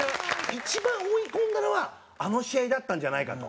一番追い込んだのはあの試合だったんじゃないかと。